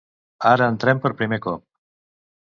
Ara entrem per primer cop.